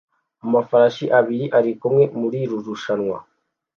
Amafarashi abiri arikumwe murirushanwa